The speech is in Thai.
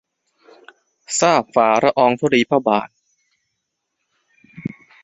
ทราบฝ่าละอองธุลีพระบาท